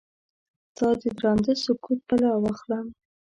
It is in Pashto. ستا ددرانده سکوت بلا واخلم؟